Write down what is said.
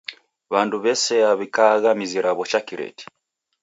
W'andu w'esea w'ikaagha mizi raw'o cha kireti.